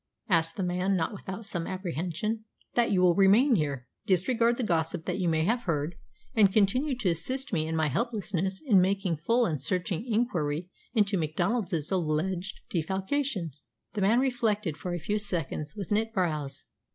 asked the man, not without some apprehension. "That you will remain here, disregard the gossip that you may have heard, and continue to assist me in my helplessness in making full and searching inquiry into Macdonald's alleged defalcations." The man reflected for a few seconds, with knit brows.